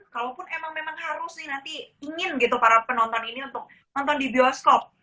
kalaupun memang harus nih nanti ingin gitu para penonton ini untuk nonton di bioskop